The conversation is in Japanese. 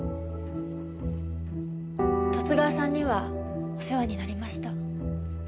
十津川さんにはお世話になりました。